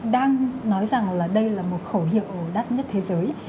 đang nói rằng là đây là một khẩu hiệu đắt nhất thế giới